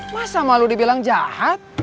masa malu dibilang jahat